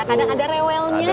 kadang ada rewelnya ya bang ya